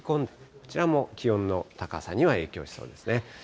こちらも気温の高さには影響しそうですね。